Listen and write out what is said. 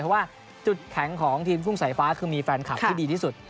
เพราะว่าจุดแข็งของทีมทุ่งสายฟ้าคือมีแฟนคลับที่ดีที่สุด